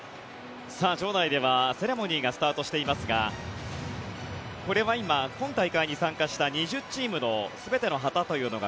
場内ではセレモニーがスタートしていますがこれは今今大会に参加した２０チームの全ての旗というのが